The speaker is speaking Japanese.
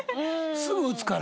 すぐ撃つから。